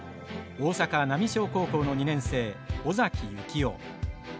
大阪浪商高校の２年生尾崎行雄。